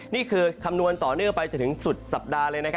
นี่คือคำนวณต่อเนื่องไปจนถึงสุดสัปดาห์เลย